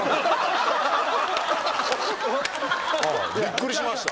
びっくりしました！